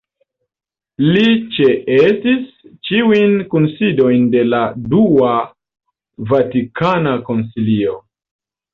Li ĉeestis ĉiujn kunsidojn de la dua Vatikana Koncilio.